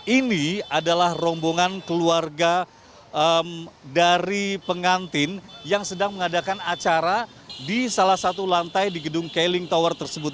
ini adalah rombongan keluarga dari pengantin yang sedang mengadakan acara di salah satu lantai di gedung keling tower tersebut